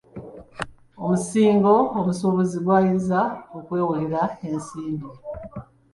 Omusingo omusuubuzi kwayinza okwewolera ensimbi.